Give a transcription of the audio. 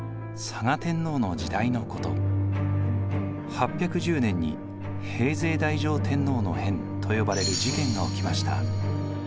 ８１０年に平城太上天皇の変と呼ばれる事件が起きました。